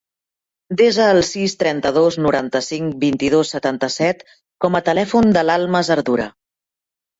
Desa el sis, trenta-dos, noranta-cinc, vint-i-dos, setanta-set com a telèfon de l'Almas Ardura.